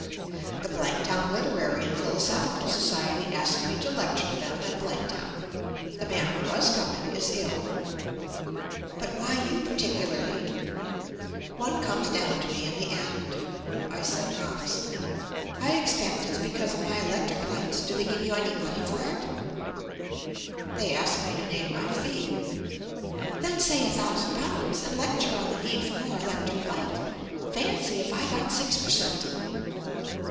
"The Blanktown Literary and Philosophical Society ask me to lecture to them at Blanktown. The man who was coming is ill." "But why you particularly?" "One comes down to me in the end," I said modestly. "I expect it's because of my electric lights. Do they give you any money for it?" "They ask me to name my fee." "Then say a thousand pounds, and lecture on the need for more electric light. Fancy if I got six per cent!"